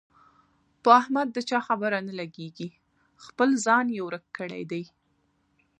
په احمد د چا خبره نه لګېږي، خپل ځان یې ورک کړی دی.